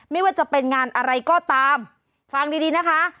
ไม่ว่าจะเป็นงานอะไรก็ตามฟังดีดีนะคะ